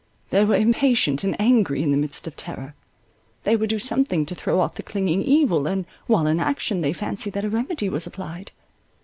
They were impatient and angry in the midst of terror. They would do something to throw off the clinging evil, and, while in action, they fancied that a remedy was applied.